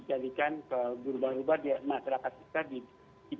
tapi ya mungkin dibuat tingkat